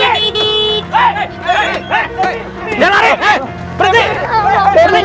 kamu nggak ada yang lupa kan shay